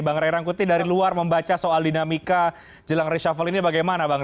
bang rerang kuti dari luar membaca soal dinamika jelang reshuffle ini bagaimana